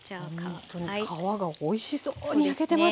ほんとに皮がおいしそうに焼けてます。